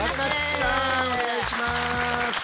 お願いします。